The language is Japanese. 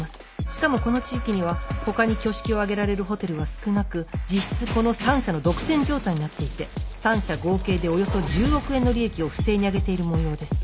しかもこの地域には他に挙式を挙げられるホテルは少なく実質この３社の独占状態になっていて３社合計でおよそ１０億円の利益を不正にあげているもようです。